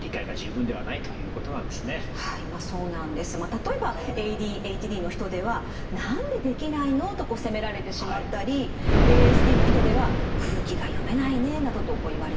例えばＡＤＨＤの人では「なんでできないの？」と責められてしまったりＡＳＤの人では「空気が読めないね」などと言われてしまったりするわけです。